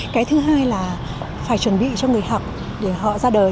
cái thứ hai là phải chuẩn bị cho người học để họ ra đời